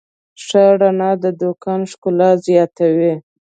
ښه رڼا د دوکان ښکلا زیاتوي.